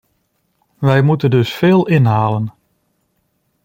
Wij moeten dus veel inhalen.